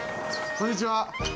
こんにちは。